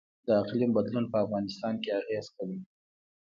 د اقلیم بدلون په افغانستان اغیز کړی؟